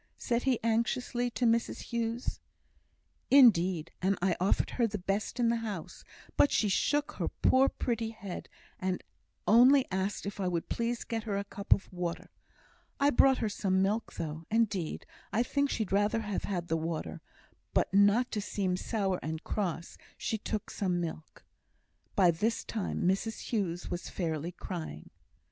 said he, anxiously, to Mrs Hughes. "Indeed, and I offered her the best in the house, but she shook her poor pretty head, and only asked if I would please to get her a cup of water. I brought her some milk though, and 'deed, I think she'd rather have had the water; but not to seem sour and cross, she took some milk." By this time Mrs Hughes was fairly crying.